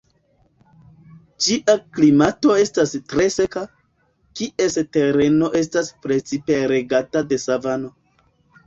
Ĝia klimato estas tre seka, kies tereno estas precipe regata de savano.